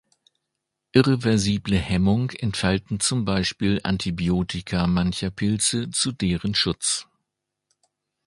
Irreversible Hemmung entfalten zum Beispiel Antibiotika mancher Pilze zu deren Schutz.